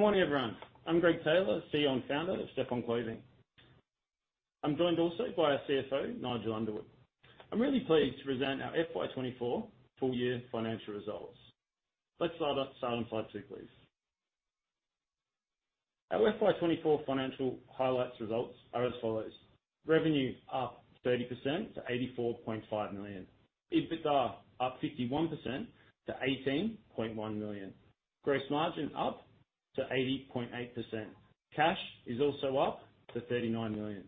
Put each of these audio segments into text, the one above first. Good morning, everyone. I'm Greg Taylor, CEO and founder of Step One Clothing. I'm joined also by our CFO, Nigel Underwood. I'm really pleased to present our FY24 full year financial results. Let's start at slide one, slide two, please. Our FY24 financial highlights results are as follows: revenue, up 30% to 84.5 million. EBITDA, up 51% to 18.1 million. Gross margin, up to 80.8%. Cash is also up to 39 million.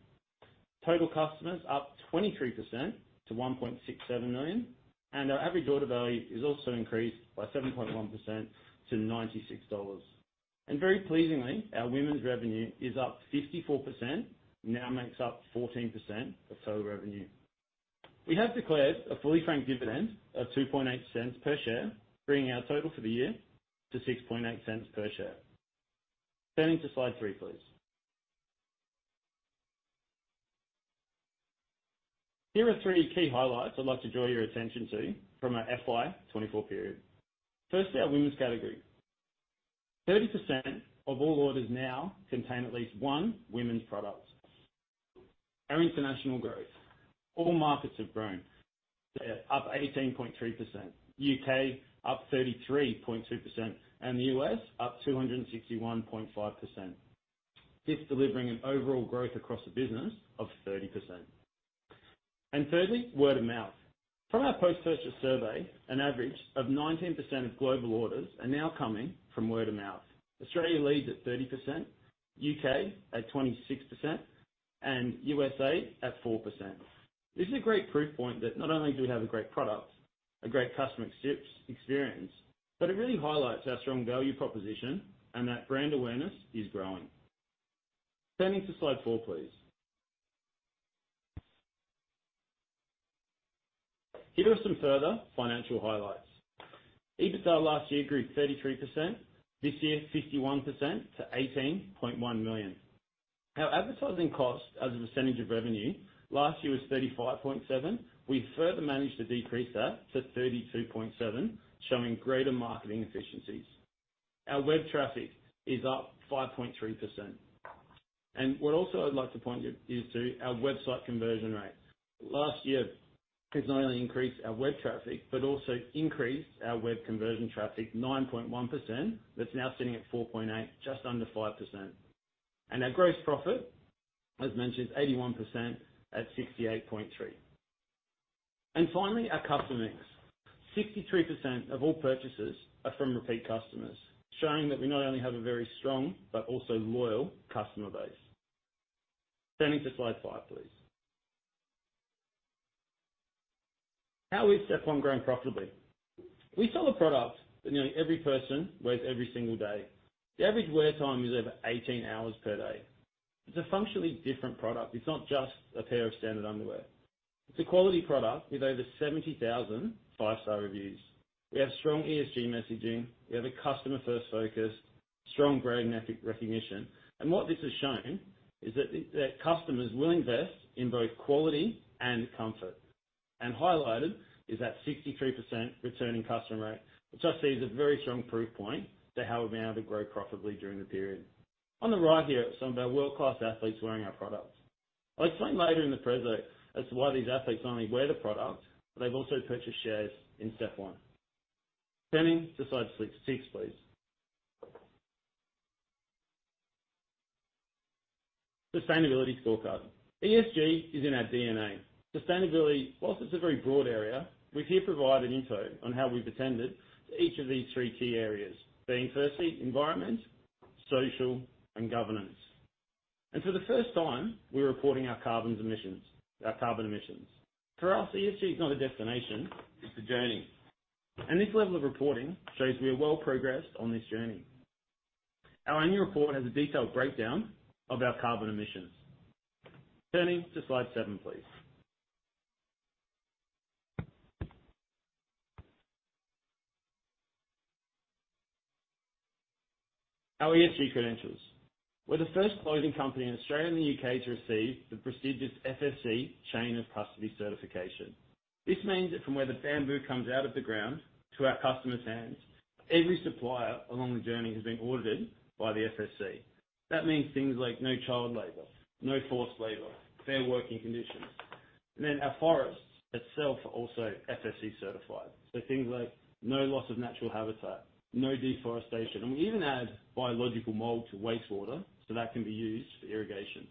Total customers, up 23% to 1.67 million, and our average order value is also increased by 7.1% to 96 dollars. Very pleasingly, our women's revenue is up 54%, now makes up 14% of total revenue. We have declared a fully franked dividend of 0.028 per share, bringing our total for the year to 0.068 per share. Turning to slide 3, please. Here are three key highlights I'd like to draw your attention to from our FY24 period. Firstly, our women's category. 30% of all orders now contain at least one women's product. Our international growth. All markets have grown, they're up 18.3%, U.K. up 33.2%, and the U.S. up 261.5%. This delivering an overall growth across the business of 30%. And thirdly, word-of-mouth. From our post-purchase survey, an average of 19% of global orders are now coming from word-of-mouth. Australia leads at 30%, U.K. at 26%, and USA at 4%. This is a great proof point that not only do we have a great product, a great customer experience, but it really highlights our strong value proposition and that brand awareness is growing. Turning to slide 4, please. Here are some further financial highlights. EBITDA last year grew 33%, this year, 51% to 18.1 million. Our advertising cost as a percentage of revenue last year was 35.7%. We've further managed to decrease that to 32.7%, showing greater marketing efficiencies. Our web traffic is up 5.3%. What also I'd like to point you to is our website conversion rate. Last year, we've not only increased our web traffic, but also increased our website conversion rate 9.1%, that's now sitting at 4.8%, just under 5%. Our gross profit, as mentioned, 81% at 68.3. And finally, our customer mix. 63% of all purchases are from repeat customers, showing that we not only have a very strong, but also loyal customer base. Turning to slide 5, please. How is Step One growing profitably? We sell a product that nearly every person wears every single day. The average wear time is over 18 hours per day. It's a functionally different product. It's not just a pair of standard underwear. It's a quality product with over 70,000 five-star reviews. We have strong ESG messaging. We have a customer-first focus, strong brand and ethic recognition. And what this has shown is that customers will invest in both quality and comfort. Highlighted, is that 63% returning customer rate, which I see as a very strong proof point to how we've been able to grow profitably during the period. On the right here are some of our world-class athletes wearing our products. I'll explain later in the presentation as to why these athletes not only wear the product, but they've also purchased shares in Step One. Turning to slide six, six, please. Sustainability scorecard. ESG is in our DNA. Sustainability, while it's a very broad area, we've here provided insight on how we've attended to each of these three key areas, being firstly, environment, social, and governance. For the first time, we're reporting our carbon emissions, our carbon emissions. For us, ESG is not a destination, it's a journey. This level of reporting shows we are well progressed on this journey. Our annual report has a detailed breakdown of our carbon emissions. Turning to slide seven, please. Our ESG credentials. We're the first clothing company in Australia and the UK to receive the prestigious FSC Chain of Custody certification. This means that from where the bamboo comes out of the ground to our customers' hands, every supplier along the journey has been audited by the FSC. That means things like no child labor, no forced labor, fair working conditions. And then our forests itself are also FSC certified. So things like no loss of natural habitat, no deforestation, and we even add biological mold to wastewater, so that can be used for irrigation.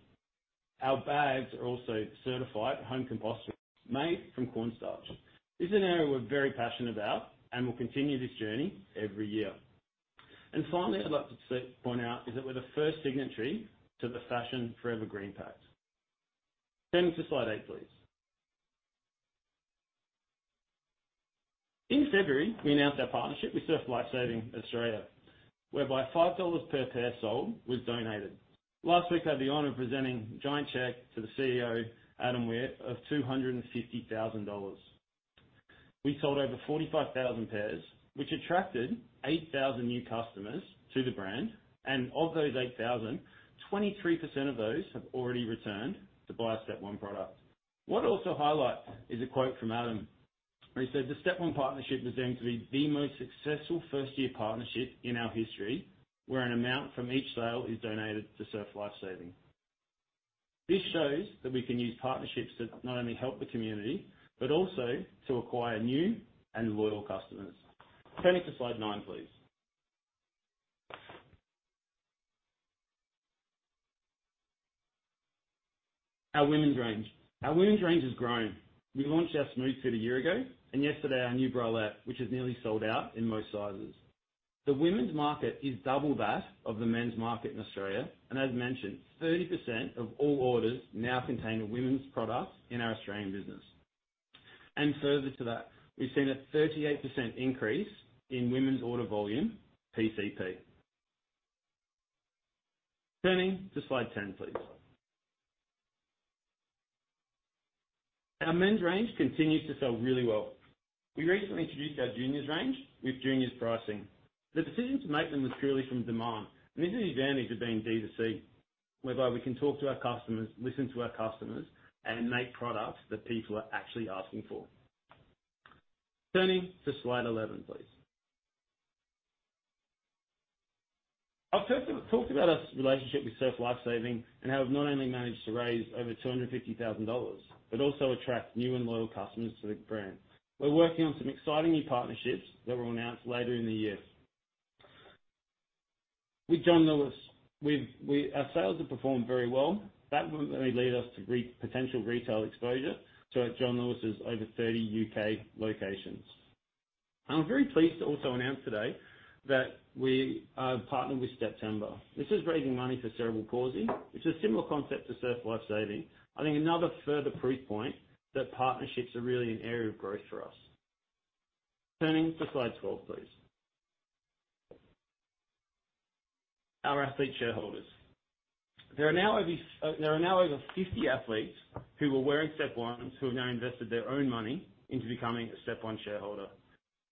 Our bags are also certified home compostable, made from cornstarch. This is an area we're very passionate about, and we'll continue this journey every year. And finally, I'd like to point out is that we're the first signatory to the Fashion Forever Green Pact. Turning to Slide 8, please. In February, we announced our partnership with Surf Life Saving Australia, whereby 5 dollars per pair sold was donated. Last week, I had the honor of presenting a giant check to the CEO, Adam Weir, of 250,000 dollars. We sold over 45,000 pairs, which attracted 8,000 new customers to the brand, and of those 8,000, 23% of those have already returned to buy a Step One product. What I'll also highlight is a quote from Adam.... So the Step One partnership was deemed to be the most successful first-year partnership in our history, where an amount from each sale is donated to Surf Life Saving. This shows that we can use partnerships that not only help the community, but also to acquire new and loyal customers. Turning to slide 9, please. Our women's range. Our women's range has grown. We launched our SmoothFit a year ago, and yesterday, our new bralette, which is nearly sold out in most sizes. The women's market is double that of the men's market in Australia, and as mentioned, 30% of all orders now contain a women's product in our Australian business, and further to that, we've seen a 38% increase in women's order volume PCP. Turning to slide 10, please. Our men's range continues to sell really well. We recently introduced our Juniors range with Juniors pricing. The decision to make them was purely from demand, and this is the advantage of being D2C, whereby we can talk to our customers, listen to our customers, and make products that people are actually asking for. Turning to slide 11, please. I've talked about our relationship with Surf Life Saving, and how we've not only managed to raise over 250,000 dollars, but also attract new and loyal customers to the brand. We're working on some exciting new partnerships that will be announced later in the year. With John Lewis, we've our sales have performed very well. That will only lead us to greater potential retail exposure, so at John Lewis's over 30 U.K. locations. I'm very pleased to also announce today that we are partnered with Steptember. This is raising money for cerebral palsy, which is a similar concept to Surf Life Saving. I think another further proof point that partnerships are really an area of growth for us. Turning to slide 12, please. Our athlete shareholders. There are now over 50 athletes who are wearing Step One, who have now invested their own money into becoming a Step One shareholder.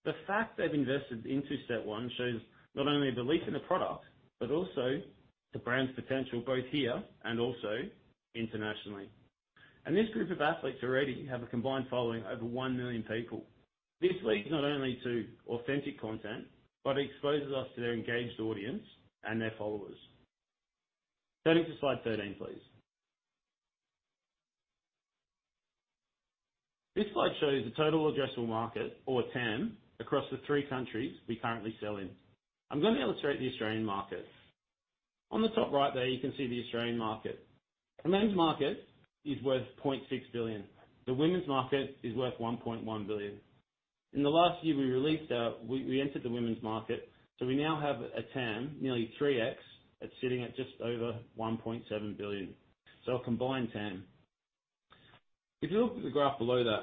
The fact they've invested into Step One shows not only belief in the product, but also the brand's potential, both here and also internationally, and this group of athletes already have a combined following of over 1 million people. This leads not only to authentic content, but exposes us to their engaged audience and their followers. Turning to slide 13, please. This slide shows the total addressable market, or TAM, across the three countries we currently sell in. I'm going to illustrate the Australian market. On the top right there, you can see the Australian market. The men's market is worth 0.6 billion. The women's market is worth 1.1 billion. In the last year, we released our... We entered the women's market, so we now have a TAM, nearly three x, that's sitting at just over 1.7 billion, so a combined TAM. If you look at the graph below that,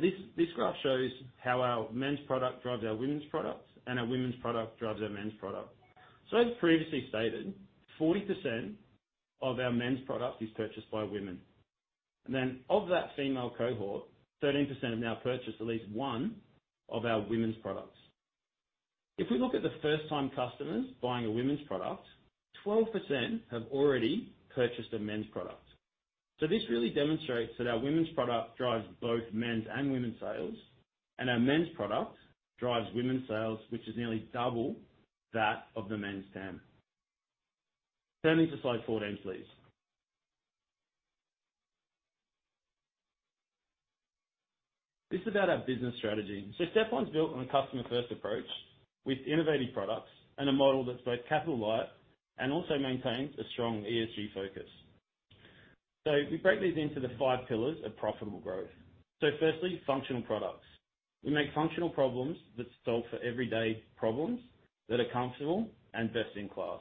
this graph shows how our men's product drives our women's products, and our women's product drives our men's product. So as previously stated, 40% of our men's product is purchased by women. And then of that female cohort, 13% have now purchased at least one of our women's products. If we look at the first-time customers buying a women's product, 12% have already purchased a men's product. So this really demonstrates that our women's product drives both men's and women's sales, and our men's product drives women's sales, which is nearly double that of the men's TAM. Turning to slide fourteen, please. This is about our business strategy. So Step One's built on a customer-first approach with innovative products and a model that's both capital light and also maintains a strong ESG focus. So we break these into the five pillars of profitable growth. So firstly, functional products. We make functional products that solve for everyday problems, that are comfortable and best in class.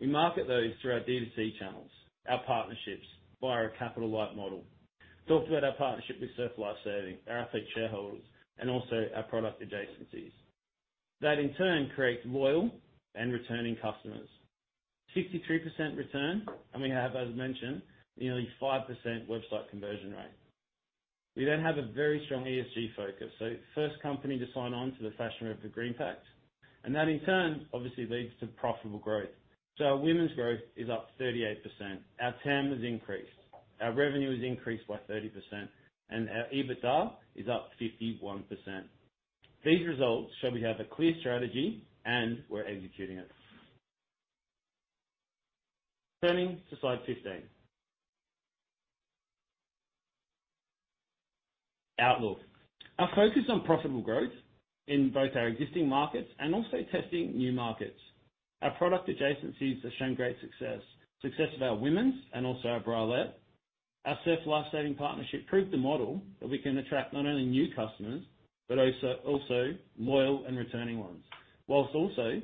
We market those through our D2C channels, our partnerships, via our capital light model. Talked about our partnership with Surf Life Saving, our athlete shareholders, and also our product adjacencies. That, in turn, creates loyal and returning customers. 63% return, and we have, as mentioned, nearly 5% website conversion rate. We then have a very strong ESG focus, so first company to sign on to the Fashion Forever Green Pact, and that, in turn, obviously leads to profitable growth. Our women's growth is up 38%. Our TAM has increased, our revenue has increased by 30%, and our EBITDA is up 51%. These results show we have a clear strategy, and we're executing it. Turning to slide 15. Outlook. Our focus on profitable growth in both our existing markets and also testing new markets. Our product adjacencies have shown great success. Success of our women's, and also our bralette. Our Surf Life Saving partnership proved the model that we can attract not only new customers, but also loyal and returning ones, while also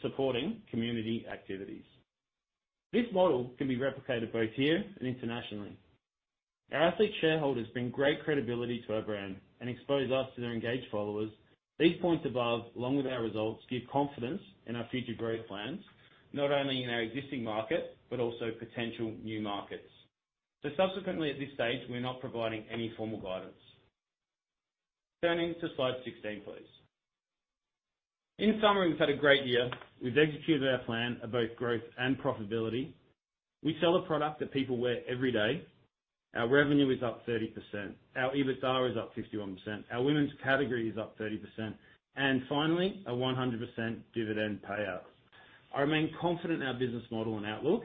supporting community activities. This model can be replicated both here and internationally. Our athlete shareholders bring great credibility to our brand and expose us to their engaged followers. These points above, along with our results, give confidence in our future growth plans, not only in our existing market, but also potential new markets. So subsequently, at this stage, we're not providing any formal guidance. Turning to slide 16, please. In summary, we've had a great year. We've executed our plan of both growth and profitability. We sell a product that people wear every day. Our revenue is up 30%. Our EBITDA is up 51%. Our women's category is up 30%, and finally, a 100% dividend payout. I remain confident in our business model and outlook.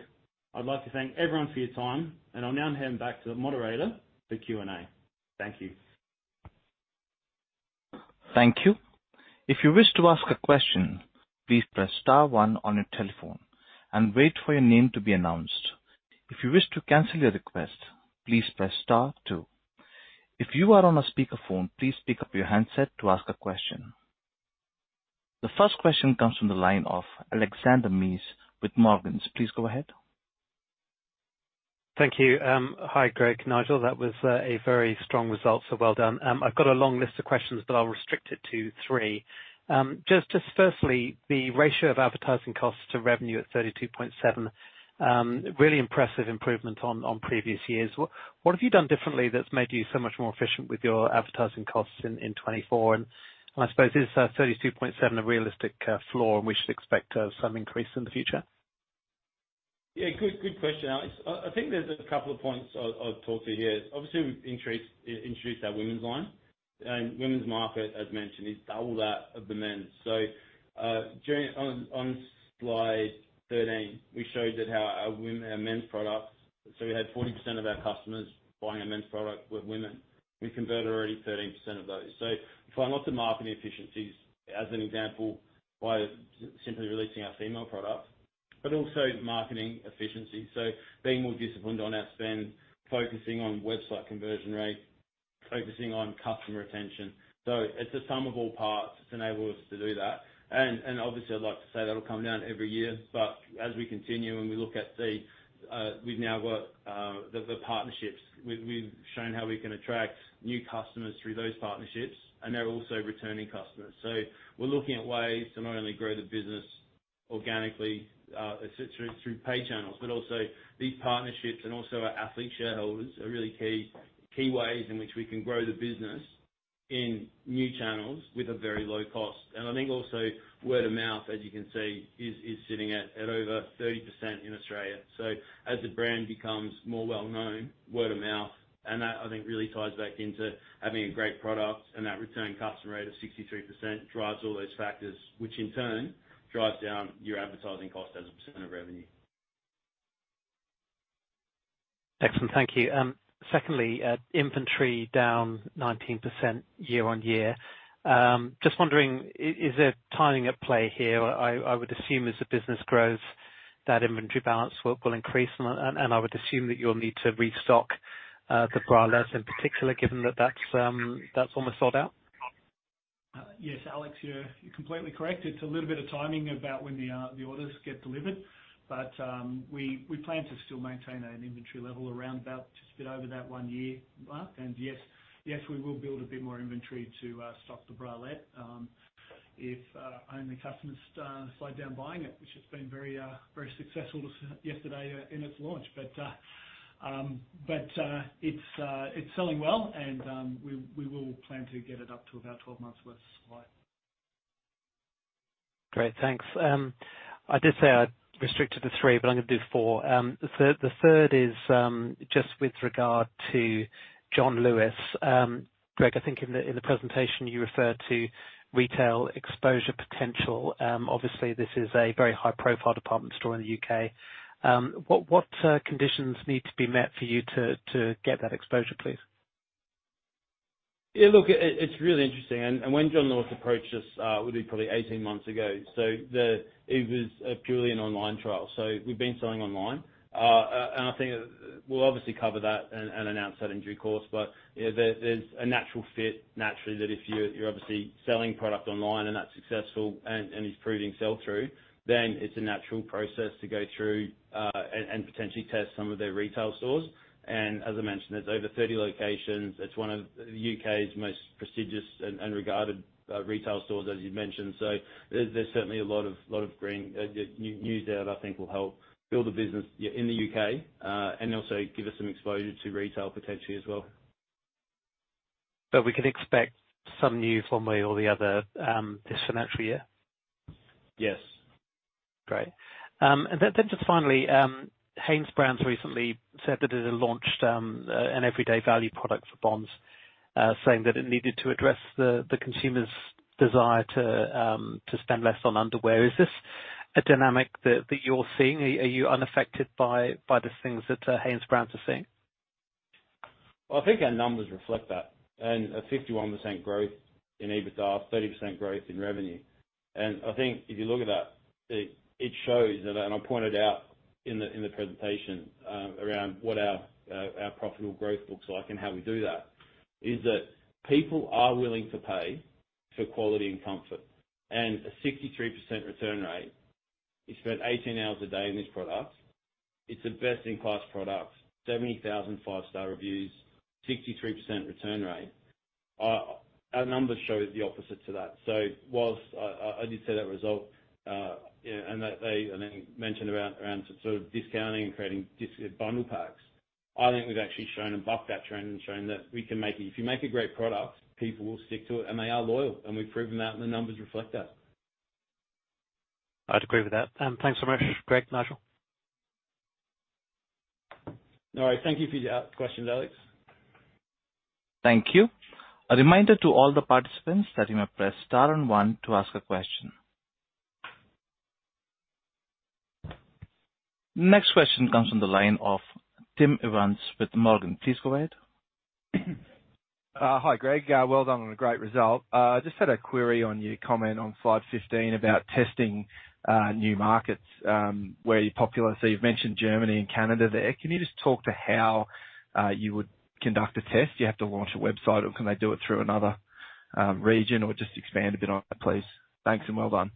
I'd like to thank everyone for your time, and I'll now hand back to the moderator for Q&A. Thank you. Thank you. If you wish to ask a question, please press star one on your telephone and wait for your name to be announced. If you wish to cancel your request, please press star two. If you are on a speakerphone, please pick up your handset to ask a question. The first question comes from the line of Alexander Mees with Morgans. Please go ahead. Thank you. Hi, Greg, Nigel. That was a very strong result, so well done. I've got a long list of questions, but I'll restrict it to three. Just firstly, the ratio of advertising costs to revenue at 32.7%, really impressive improvement on previous years. What have you done differently that's made you so much more efficient with your advertising costs in 2024? And I suppose, is 32.7% a realistic floor, and we should expect some increase in the future? Yeah, good, good question, Alex. I, I think there's a couple of points I'll, I'll talk to here. Obviously, we've introduced our women's line, and women's market, as mentioned, is double that of the men's. So, on, on slide 13, we showed that how our men's products, so we had 40% of our customers buying a men's product were women. We converted already 13% of those, so we find lots of marketing efficiencies, as an example, by simply releasing our female product, but also marketing efficiency. So being more disciplined on our spend, focusing on website conversion rate, focusing on customer retention. So it's a sum of all parts that's enabled us to do that. Obviously, I'd like to say that'll come down every year, but as we continue, we've now got the partnerships. We've shown how we can attract new customers through those partnerships, and they're also returning customers. So we're looking at ways to not only grow the business organically through pay channels, but also these partnerships and also our athlete shareholders are really key ways in which we can grow the business in new channels with a very low cost. I think also word of mouth, as you can see, is sitting at over 30% in Australia. As the brand becomes more well known, word of mouth, and that, I think, really ties back into having a great product, and that return customer rate of 63% drives all those factors, which in turn drives down your advertising cost as a percent of revenue. Excellent. Thank you. Secondly, inventory down 19% year on year. Just wondering, is there timing at play here? I would assume as the business grows, that inventory balance will increase, and I would assume that you'll need to restock the bralettes in particular, given that that's almost sold out. Yes, Alex, you're completely correct. It's a little bit of timing about when the orders get delivered, but we plan to still maintain an inventory level around about just a bit over that one year mark, and yes, we will build a bit more inventory to stock the bralette, if only customers slow down buying it, which has been very successful yesterday in its launch. But it's selling well, and we will plan to get it up to about 12 months' worth of supply. Great, thanks. I did say I'd restrict it to three, but I'm gonna do four. The third is just with regard to John Lewis. Greg, I think in the presentation, you referred to retail exposure potential. Obviously, this is a very high-profile department store in the UK. What conditions need to be met for you to get that exposure, please? Yeah, look, it's really interesting, and when John Lewis approached us, it would be probably eighteen months ago, so it was purely an online trial. So we've been selling online. And I think we'll obviously cover that and announce that in due course, but yeah, there's a natural fit, naturally, that if you're obviously selling product online and that's successful and it's proving sell-through, then it's a natural process to go through and potentially test some of their retail stores. And as I mentioned, there's over 30 locations. It's one of the U.K.'s most prestigious and regarded retail stores, as you mentioned. There's certainly a lot of green news there. I think will help build the business in the UK and also give us some exposure to retail potentially as well. So we can expect some news one way or the other, this financial year? Yes. Great, and then just finally, HanesBrands recently said that it had launched an everyday value product for Bonds, saying that it needed to address the consumer's desire to spend less on underwear. Is this a dynamic that you're seeing? Are you unaffected by the things that HanesBrands are seeing? I think our numbers reflect that, and a 51% growth in EBITDA, 30% growth in revenue. I think if you look at that, it shows, and I pointed out in the presentation around what our profitable growth looks like and how we do that, is that people are willing to pay for quality and comfort. And a 63% return rate, you spent eighteen hours a day in this product, it's a best-in-class product, 70,000 five-star reviews, 63% return rate. Our numbers show the opposite to that. So whilst I did see that result, you know, and then mentioned around sort of discounting and creating discount bundle packs. I think we've actually shown and bucked that trend and shown that we can make it. If you make a great product, people will stick to it, and they are loyal, and we've proven that, and the numbers reflect that. I'd agree with that. Thanks so much, Greg, Nigel. All right, thank you for your questions, Alex. Thank you. A reminder to all the participants that you may press star and one to ask a question. Next question comes from the line of Tim Evans with Morgans. Please go ahead. Hi, Greg. Well done on a great result. Just had a query on your comment on slide 15 about testing new markets where you're popular. So you've mentioned Germany and Canada there. Can you just talk to how you would conduct a test? Do you have to launch a website, or can they do it through another region? Or just expand a bit on that, please. Thanks, and well done.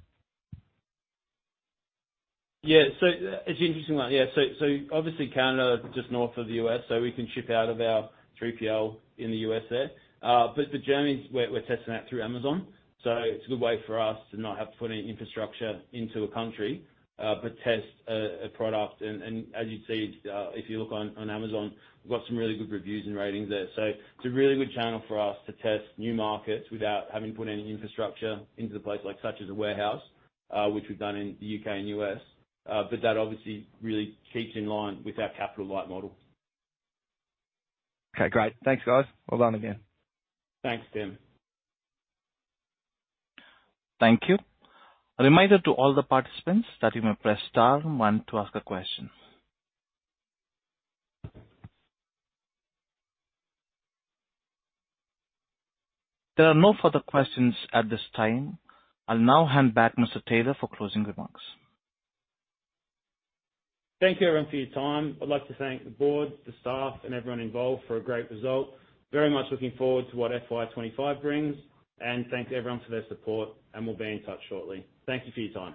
Yeah. It's an interesting one. Yeah. So obviously, Canada is just north of the U.S., so we can ship out of our 3PL in the U.S. there. But Germany, we're testing that through Amazon, so it's a good way for us to not have to put any infrastructure into a country, but test a product. And as you'd see, if you look on Amazon, we've got some really good reviews and ratings there. So it's a really good channel for us to test new markets without having to put any infrastructure into the place, like such as a warehouse, which we've done in the U.K. and U.S. But that obviously really keeps in line with our capital-light model. Okay, great. Thanks, guys. Well done again. Thanks, Tim. Thank you. A reminder to all the participants that you may press star and one to ask a question. There are no further questions at this time. I'll now hand back to Mr. Taylor for closing remarks. Thank you, everyone, for your time. I'd like to thank the board, the staff, and everyone involved for a great result. Very much looking forward to what FY 2025 brings, and thanks to everyone for their support, and we'll be in touch shortly. Thank you for your time.